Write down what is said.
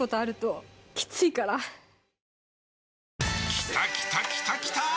きたきたきたきたー！